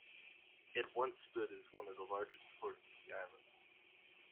It once stood as one of the largest ports of the island.